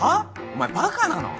お前バカなの？